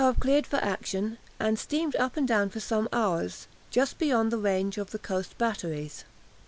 Tegethoff cleared for action, and steamed up and down for some hours, just beyond the range of the coast batteries.